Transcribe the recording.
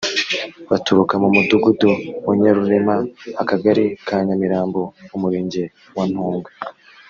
baturuka mu mudugudu wa Nyarurema akagari ka Nyamirambo umurenge wa Ntongwe